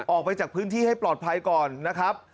ออกไปจากพื้นที่ให้ปลอดภัยก่อนนะครับ